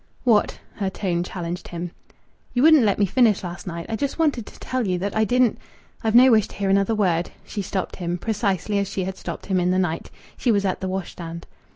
"What?" Her tone challenged him. "You wouldn't let me finish last night. I just wanted to tell you that I didn't " "I've no wish to hear another word." She stopped him, precisely as she had stopped him in the night. She was at the washstand.